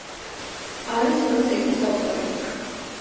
არის ორი წიგნის ავტორი.